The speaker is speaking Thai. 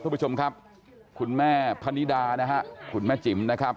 คุณผู้ชมครับคุณแม่พนิดานะฮะคุณแม่จิ๋มนะครับ